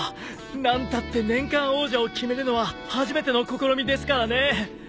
何たって年間王者を決めるのは初めての試みですからね。